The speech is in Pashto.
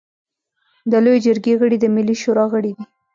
د لويې جرګې غړي د ملي شورا غړي دي.